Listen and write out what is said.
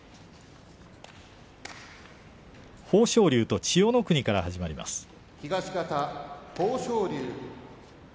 豊昇龍と千代の国から始まります。